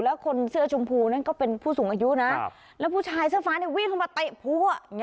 แล้วคนเสื้อชมพูนั่นก็เป็นผู้สูงอายุนะแล้วผู้ชายเสื้อฟ้าเนี่ยวิ่งเข้ามาเตะพัว